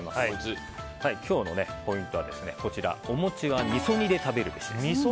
今日のポイントはもちは味噌煮で食べるべしです。